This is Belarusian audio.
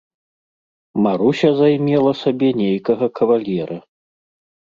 Маруся займела сабе нейкага кавалера.